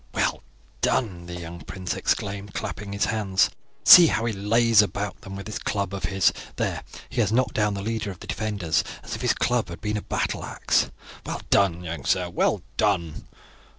"Well done!" the young prince exclaimed, clapping his hands. "See how he lays about him with that club of his. There, he has knocked down the leader of the defenders as if his club had been a battle axe. Well done, young sir, well done!